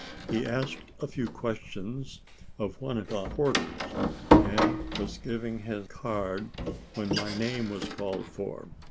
He asked a few questions of one of the porters, and was giving his card, when my name was called for.